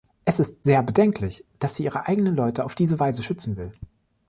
Es ist sehr bedenklich, dass sie ihre eigenen Leute auf diese Weise schützen will.